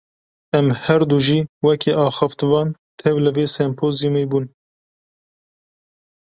Em herdu jî, wekî axaftvan tev li vê sempozyûmê bûn